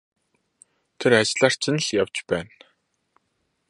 Тэр ажлаар чинь л явж байна.